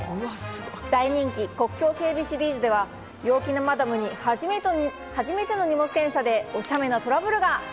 大人気、国境警備シリーズでは、陽気なマダムに初めての荷物検査でおちゃめなトラブルが！